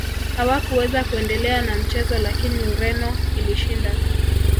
hakuweza kuendelea na mchezo lakini ureno ilishinda